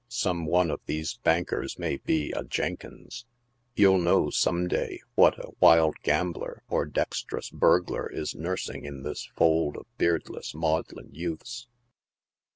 Some one of these bankers may be a Jenkins. You'll know some day what a wild gambler or dexterous burglar is nursing in this fold of beardless, maudlin youths.